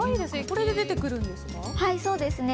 これで出てくるんですか？